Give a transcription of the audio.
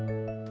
ketemu di rumah